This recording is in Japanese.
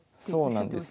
そうなんですよ。